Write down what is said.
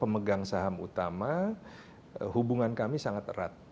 pemegang saham utama hubungan kami sangat erat